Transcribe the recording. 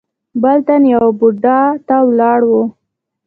بل تن يوه بوډا ته ولاړ و.